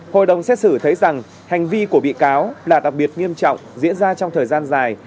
hội đồng xét xử thấy rằng hành vi của bị cáo là đặc biệt nghiêm trọng diễn ra trong thời gian dài